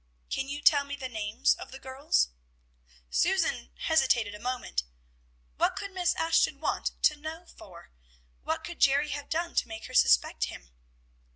"Can you tell me the names of the girls?" Susan hesitated a moment. What could Miss Ashton want to know for? What could Jerry have done to make her suspect him?